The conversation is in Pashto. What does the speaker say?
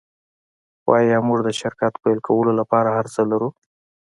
خو ایا موږ د شرکت پیل کولو لپاره هرڅه لرو